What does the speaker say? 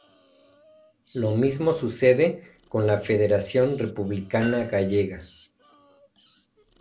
Lo mismo sucede con la Federación Republicana Gallega.